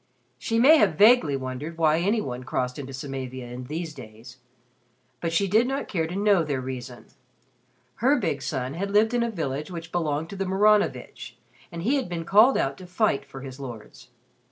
She may have vaguely wondered why any one crossed into Samavia in these days. But she did not care to know their reason. Her big son had lived in a village which belonged to the Maranovitch and he had been called out to fight for his lords.